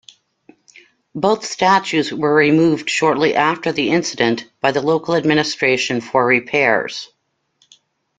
Both statues were removed shortly after the incident by the local administration for repairs.